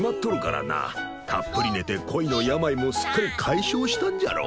たっぷり寝て恋の病もすっかり解消したんじゃろ。